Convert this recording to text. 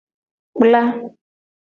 Kpla.